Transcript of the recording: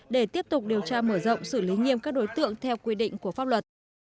để tiếp tục điều tra mở rộng xử lý nghiêm các đối tượng theo quy định của pháp luật